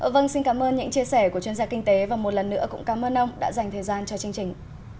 vâng xin cảm ơn những chia sẻ của chuyên gia kinh tế và một lần nữa cũng cảm ơn ông đã dành thời gian cho chương trình